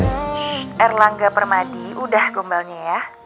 hmm erlangga permadi udah gombalnya ya